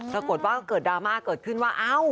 ปรากฏว่าเกิดดราม่าเกิดขึ้นว่าเอ้า